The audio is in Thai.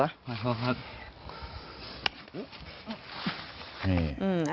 ฮะฮะ